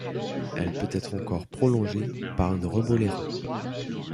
Elle peut être encore prolongée par une rebolera.